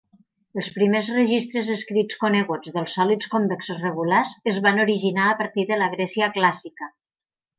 Els primers registres "escrits" coneguts dels sòlids convexos regulars es van originar a partir de la Grècia clàssica.